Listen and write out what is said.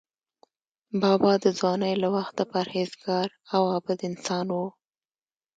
بابا د ځوانۍ له وخته پرهیزګار او عابد انسان و.